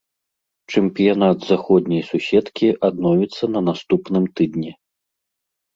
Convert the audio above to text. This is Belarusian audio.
Чэмпіянат заходняй суседкі адновіцца на наступным тыдні.